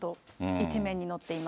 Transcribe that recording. １面に載っています。